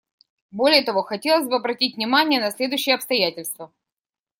Более того, хотелось бы обратить внимание на следующие обстоятельства.